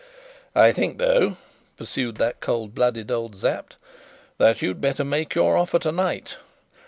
"I think, though," pursued that cold blooded old Sapt, "that you'd better make your offer tonight."